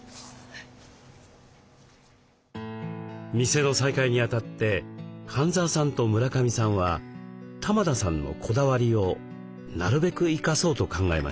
店の再開にあたって半澤さんと村上さんは玉田さんのこだわりをなるべく生かそうと考えました。